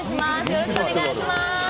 よろしくお願いします。